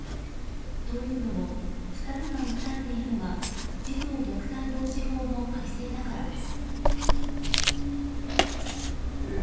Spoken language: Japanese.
というのも２人が訴えているのが児童虐待防止法の改正だからです。